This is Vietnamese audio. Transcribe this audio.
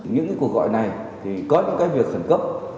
những cuộc gọi này có những việc khẩn cấp